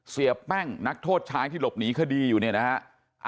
เสียแป้งนักโทษชายที่หลบหนีคดีอยู่เนี่ยนะฮะ